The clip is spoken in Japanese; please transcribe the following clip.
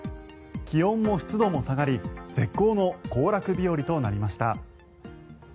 気温も湿度も下がり絶好の行楽日和となりました。